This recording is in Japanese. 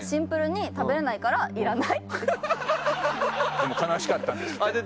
でも悲しかったんですって。